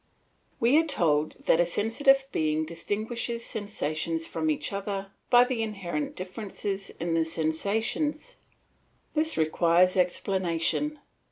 We are told that a sensitive being distinguishes sensations from each other by the inherent differences in the sensations; this requires explanation.